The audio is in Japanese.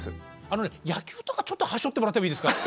あのね野球とかちょっとはしょってもらってもいいですか？